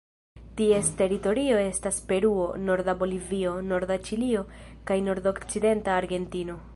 Ties teritorio estas Peruo, norda Bolivio, norda Ĉilio kaj nordokcidenta Argentino.